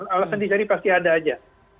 alasan dicari pasti ada aja